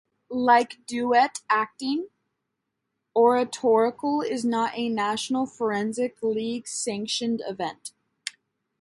Like Duet Acting, Oratorical is not a National Forensic League-sanctioned event.